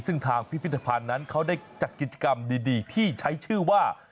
ซึ่งทางพิพิธภัณฑ์นั้นเขาได้จัดกิจกรรมดีที่ใช้ชื่อว่า